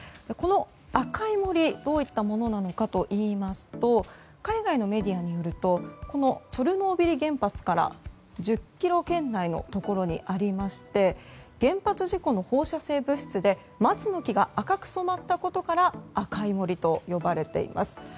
この赤い森どういったものなのかといいますと海外のメディアによるとチョルノービリ原発から１０ｋｍ圏内のところにありまして原発事故の放射性物質で松の木が赤く染まったことから赤い森と呼ばれています。